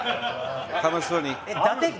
楽しそうに。